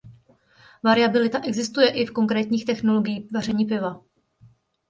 Variabilita existuje i v konkrétní technologii vaření piva.